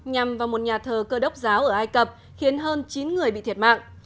nhằm vào một nhà thờ cơ độc giáo ở ai cập khiến hơn chín người bị thiệt mạng